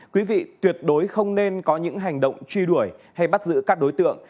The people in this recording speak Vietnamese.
quý vị tuyệt đối không nên có những hành động truy đuổi hay bắt giữ các đối tượng